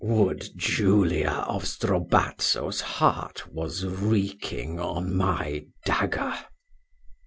"Would Julia of Strobazzo's heart was reeking on my dagger!"